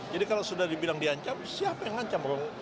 jadi kalau sudah dibilang diancam siapa yang ngancam